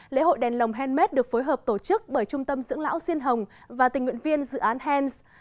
lễ hội đèn lồng handmade được phối hợp tổ chức bởi trung tâm dưỡng lão diên hồng và tình nguyện viên dự án hams